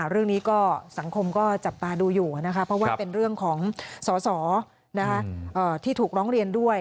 เรื่องนี้ก็สังคมก็จับตาดูอยู่นะคะเพราะว่าเป็นเรื่องของสอสอที่ถูกร้องเรียนด้วย